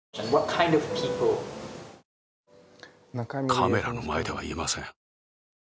カメラの前では言えません。